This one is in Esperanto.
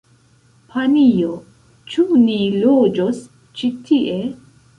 Panjo, ĉu ni loĝos ĉi tie?